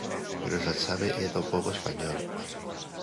Pero esa chave é do pobo español.